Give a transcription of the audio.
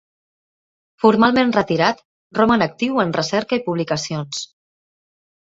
Formalment retirat, roman actiu en recerca i publicacions.